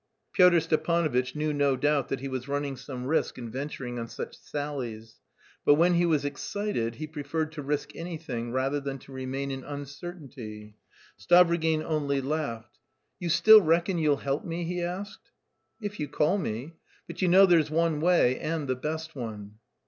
Pyotr Stepanovitch knew no doubt that he was running some risk in venturing on such sallies, but when he was excited he preferred to risk anything rather than to remain in uncertainty. Stavrogin only laughed. "You still reckon you'll help me?" he asked. "If you call me. But you know there's one way, and the best one."